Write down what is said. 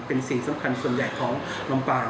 เป็นสิ่งสำคัญส่วนใหญ่ของลำปาง